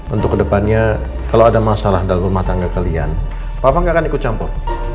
untuk kedepannya kalau ada masalah dalam rumah tangga kalian papa nggak akan ikut campur